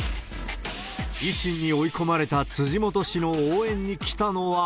維新に追い込まれた辻元氏の応援に来たのは。